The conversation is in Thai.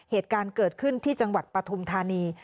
เหตุการณ์เกิดขึ้นที่จังหวัดปฐุมธานี